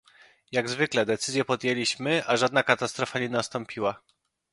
Jak zwykle decyzję podjęliśmy, a żadna katastrofa nie nastąpiła